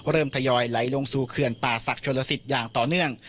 เริ่มทยอยไหลลงสู้เคือนป่าศักดิ์ชะลศริตอย่างต่อเนื่อง